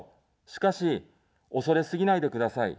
しかし、恐れすぎないでください。